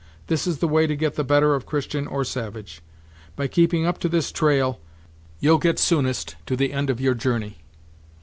This is the way to get the better of Christian or savage: by keeping up to this trail, you'll get soonest to the ind of your journey."